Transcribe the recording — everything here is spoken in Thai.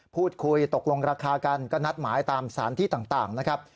พูดคุยตกลงราคากันก็นัดหมายตามสารที่ต่างนะครับ